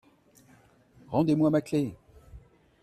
Rendez-moi ma clef !